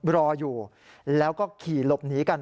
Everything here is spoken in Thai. รออยู่แล้วก็ขี่หลบหนีกัน